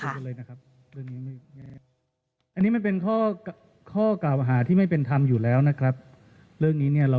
ก็ยังคงเชื่อมั่นอยู่ว่าถ้าแปดพักจับมือกันแน่นพอการจัดตั้งรัฐบาลจะเกิดขึ้นได้ยากหรือง่ายลองไปฟังนะครับ